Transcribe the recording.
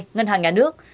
ngân hàng nhà nước